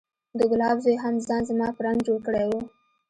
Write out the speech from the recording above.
د ګلاب زوى هم ځان زما په رنګ جوړ کړى و.